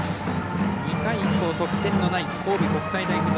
２回以降得点のない神戸国際大付属。